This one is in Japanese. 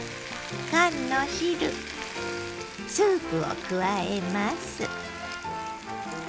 スープを加えます。